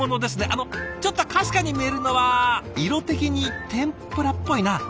あのちょっとかすかに見えるのは色的に天ぷらっぽいな。